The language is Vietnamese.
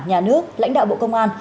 nhà nước lãnh đạo bộ công an